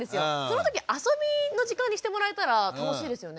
その時遊びの時間にしてもらえたら楽しいですよね。